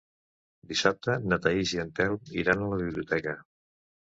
Dissabte na Thaís i en Telm iran a la biblioteca.